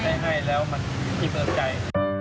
ได้ให้แล้วมันอิ่มออกใจ